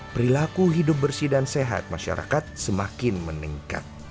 perilaku hidup bersih dan sehat masyarakat semakin meningkat